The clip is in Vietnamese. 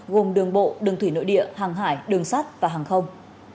gồm đường bộ đường thủy nội địa hàng hải đường sắt và hàng không